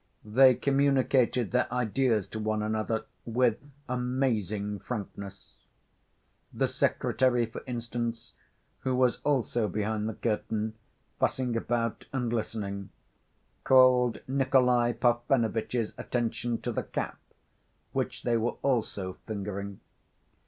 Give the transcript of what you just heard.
They communicated their ideas to one another with amazing frankness. The secretary, for instance, who was also behind the curtain, fussing about and listening, called Nikolay Parfenovitch's attention to the cap, which they were also fingering.